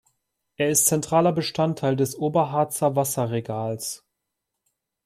Er ist zentraler Bestandteil des Oberharzer Wasserregals.